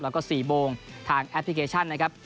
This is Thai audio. แล้วก็๔โมงทางแอปพลิเคชันนะครับ